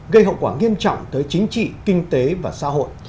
gây hậu quả nghiêm trọng tới chính trị kinh tế và xã hội